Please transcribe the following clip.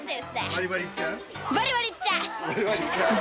バリバリいっちゃう！